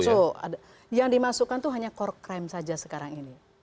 justru yang dimasukkan itu hanya core crime saja sekarang ini